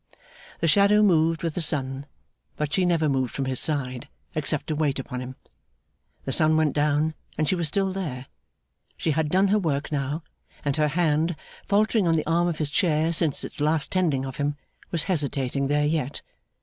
The shadow moved with the sun, but she never moved from his side, except to wait upon him. The sun went down and she was still there. She had done her work now, and her hand, faltering on the arm of his chair since its last tending of him, was hesitating there yet.